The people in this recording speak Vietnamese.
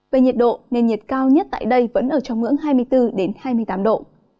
về nhiệt độ nền nhiệt cao nhất tại đây vẫn ở trong ngưỡng hai mươi bốn hai mươi tám độ